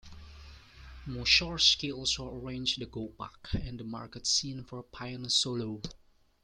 Mussorgsky also arranged the Gopak and the market scene for piano solo.